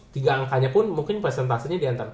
tiga angkanya pun mungkin presentasenya diantara tiga puluh